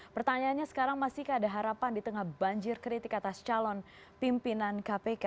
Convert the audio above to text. pertanyaannya sekarang masihkah ada harapan di tengah banjir kritik atas calon pimpinan kpk